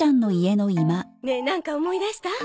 ねえなんか思い出した？